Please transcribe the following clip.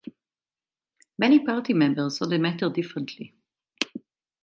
Many party members saw the matter differently.